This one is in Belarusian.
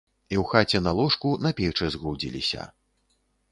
І ў хаце на ложку, на печы згрудзіліся.